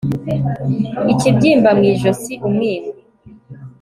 ikibyimba mu ijosi umwingo